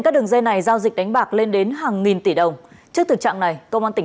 các đường dây này giao dịch đánh bạc lên đến hàng nghìn tỷ đồng trước thực trạng này công an tỉnh